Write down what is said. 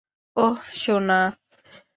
অহ, সোনা।